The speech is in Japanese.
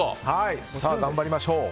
頑張りましょう。